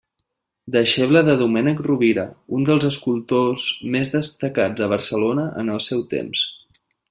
Deixeble de Domènec Rovira, un dels escultors més destacats a Barcelona en el seu temps.